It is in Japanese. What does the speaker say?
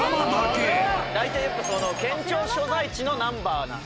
大体やっぱその県庁所在地のナンバーなんで。